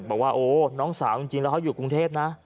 บอกว่าโอ้น้องสาวจริงแล้วเขาอยู่กรุงเทพนะ